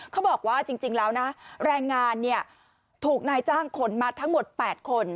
เขาบอกว่าจริงแล้วนะแรงงานถูกนายจ้างขนมาทั้งหมด๘คน